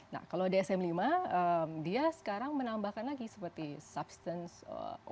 nah kalau dsm lima dia sekarang menambahkan lagi seperti substance or drug